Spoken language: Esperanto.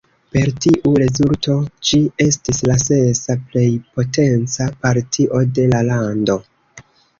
Per tiu rezulto ĝi estis la sesa plej potenca partio de la lando.